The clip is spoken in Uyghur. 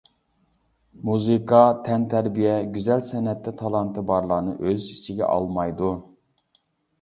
مۇزىكا، تەنتەربىيە، گۈزەل-سەنئەتتە تالانتى بارلارنى ئۆز ئىچىگە ئالمايدۇ.